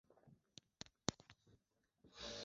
Benki kuu inapanga kutoa sarafu ya kidigitali